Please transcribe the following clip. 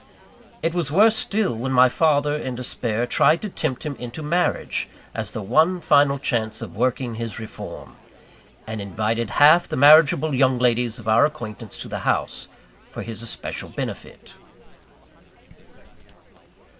It was worse still, when my father, in despair, tried to tempt him into marriage, as the one final chance of working his reform; and invited half the marriageable young ladies of our acquaintance to the house, for his especial benefit.